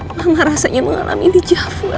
mama rasanya mengalami hijab elsa